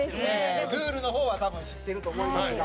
蛍原：ルールの方は多分、知ってると思いますが。